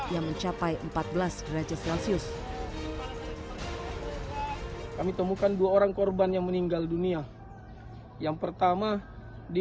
yang mencapai empat belas derajat celcius kami temukan dua orang korban yang meninggal dunia yang pertama di